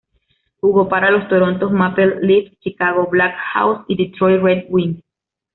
Jugó para los Toronto Maple Leafs, Chicago Black Hawks y Detroit Red Wings.